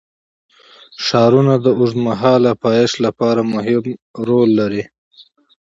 ښارونه د اوږدمهاله پایښت لپاره مهم رول لري.